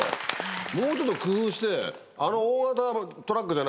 もうちょっと工夫してあの。